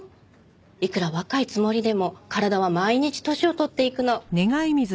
いくら若いつもりでも体は毎日年を取っていくの。